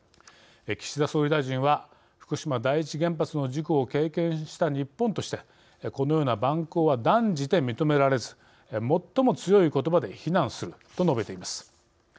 岸田総理大臣は「福島第一原発の事故を経験した日本として、このような蛮行は断じて認められず最も強い言葉で非難する」と述べています。